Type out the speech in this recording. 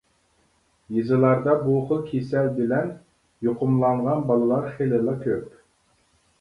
يېزىلاردا بۇ خىل كېسەل بىلەن يۇقۇملانغان بالىلار خېلىلا كۆپ.